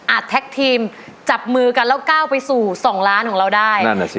แท็กทีมจับมือกันแล้วก้าวไปสู่สองล้านของเราได้นั่นแหละสิ